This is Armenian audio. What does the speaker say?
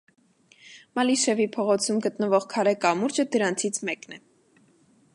Մալիշևի փողոցում գտնվող քարե կամուրջը դրանցից մեկն է։